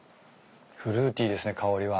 フルーティーですね香りは。